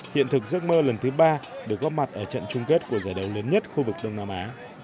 hiện thực giấc mơ lần thứ ba được góp mặt ở trận chung kết của giải đấu lớn nhất khu vực đông nam á